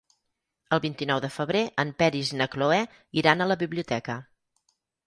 El vint-i-nou de febrer en Peris i na Cloè iran a la biblioteca.